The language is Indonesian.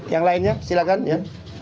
yang lainnya silakan ya